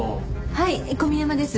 はい小宮山です。